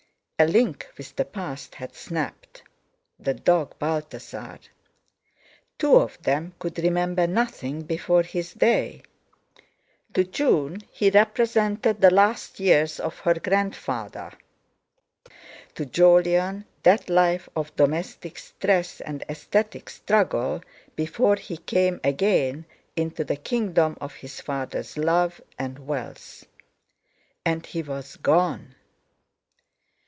A link with the past had snapped—the dog Balthasar! Two of them could remember nothing before his day; to June he represented the last years of her grandfather; to Jolyon that life of domestic stress and aesthetic struggle before he came again into the kingdom of his father's love and wealth! And he was gone!